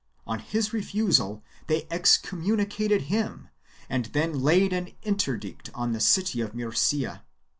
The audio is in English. On his refusal they excommunicated him and then laid an interdict on the city of Murcia.